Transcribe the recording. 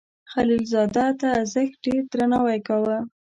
خلیل زاده ته زښت ډیر درناوی کاو.